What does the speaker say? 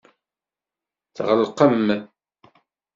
Tɣelqem.